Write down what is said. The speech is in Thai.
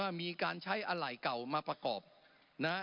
มีการใช้อะไหล่เก่ามาประกอบนะฮะ